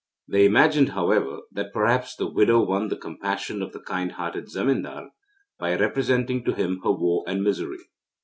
They imagined, however, that perhaps the widow won the compassion of the kind hearted zemindar, by representing to him her woe and misery.